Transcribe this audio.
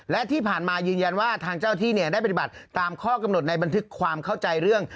และที่ผ่านมายืนยันว่าทางเจ้าที่ได้ปฏิบัติตามข้อกำหนดในบันทึกความเข้าใจเรื่อง